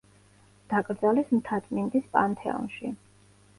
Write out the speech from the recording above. დაკრძალეს მთაწმინდის პანთეონში.